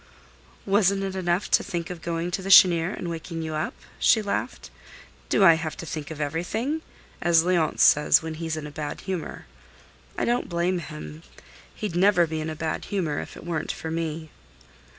"Wasn't it enough to think of going to the Chênière and waking you up?" she laughed. "Do I have to think of everything?—as Léonce says when he's in a bad humor. I don't blame him; he'd never be in a bad humor if it weren't for me."